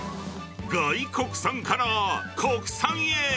外国産から国産へ。